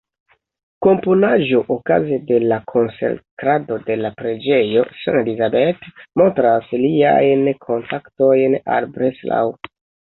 Komponaĵo okaze de la konsekrado de la preĝejo St.-Elisabeth montras liajn kontaktojn al Breslau.